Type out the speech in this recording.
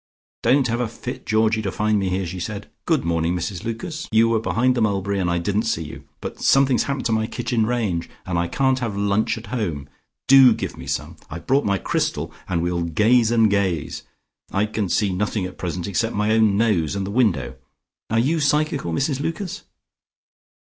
"Don't have a fit, Georgie, to find me here" she said. "Good morning, Mrs Lucas; you were behind the mulberry, and I didn't see you. But something's happened to my kitchen range, and I can't have lunch at home. Do give me some. I've brought my crystal, and we'll gaze and gaze. I can see nothing at present except my own nose and the window. Are you psychical, Mrs Lucas?"